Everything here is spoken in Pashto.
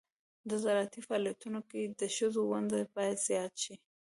د زراعتي فعالیتونو کې د ښځو ونډه باید زیاته شي.